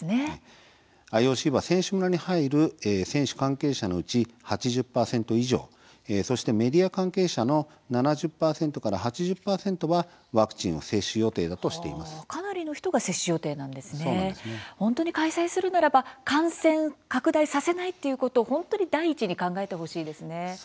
ＩＯＣは選手村に入る選手関係者のうち８０％以上そしてメディア関係者の７０％から８０％はワクチンを接種予定だと本当に開催するならば感染拡大させないことを第一に考えてほしいですね。